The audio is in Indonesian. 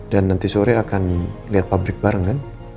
dan nanti sore akan lihat pabrik bareng kan